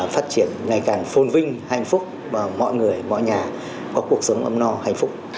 phát triển ngày càng phôn vinh hạnh phúc và mọi người mọi nhà có cuộc sống ấm no hạnh phúc